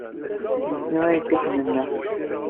D nekkni ay yekkaten nneḥ.